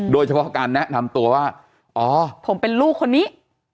โดยเฉพาะการแนะนำตัวว่าอ๋อผมเป็นลูกคนนี้